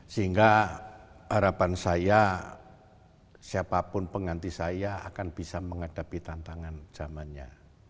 sehingga harapan saya siapapun pengganti saya akan bisa menghadapi tantangan zamannya